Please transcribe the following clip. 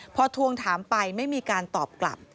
พอทวงถามไปไม่มีการตอบกลับ